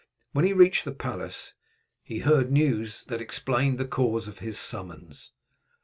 When he reached the palace he heard news that explained the cause of his summons.